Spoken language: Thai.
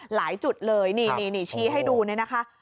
หลายจุดเลยนี่ชี้ให้ดูเนี่ยนะคะ